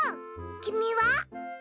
きみは？